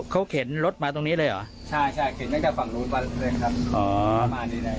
เขาเข็นรถมาตรงนี้เลยเท่าที่ได้